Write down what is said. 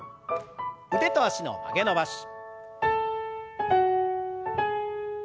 腕と脚の曲げ伸ばし。